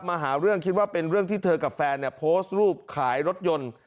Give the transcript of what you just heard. มาหาเรื่องคิดว่าเป็นเรื่องที่เธอกับแฟนโพสต์รูปขายรถยนต์